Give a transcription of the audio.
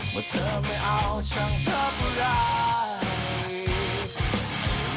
เมื่อเธอไม่เอาช่างเธอก็ร้าย